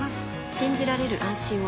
信じられる、安心を。